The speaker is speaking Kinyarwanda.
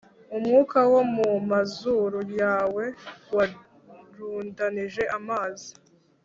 umwuka wo mu mazuru yawe warundanije amazi,